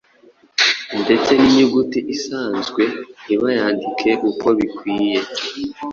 ndetse n’inyuguti isanzwe ntibayandike uko bikwiriye.